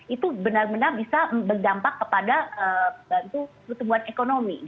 itu benar benar bisa berdampak kepada bantu pertumbuhan ekonomi